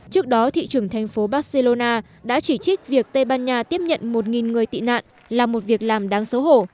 trước đó thị trưởng thành phố barcelona đã chỉ trích việc tây ban nha tiếp nhận một người tị nạn là một việc làm đáng xấu hổ